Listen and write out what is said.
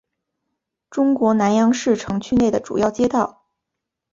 中国南阳市城区内的主要街道。